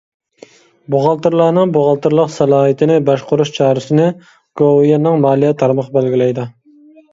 بوغالتىرلارنىڭ بوغالتىرلىق سالاھىيىتىنى باشقۇرۇش چارىسىنى گوۋۇيۈەننىڭ مالىيە تارمىقى بەلگىلەيدۇ.